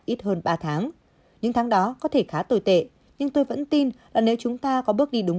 ít hơn ba tháng những tháng đó có thể khá tồi tệ nhưng tôi vẫn tin là nếu chúng ta có bước đi đúng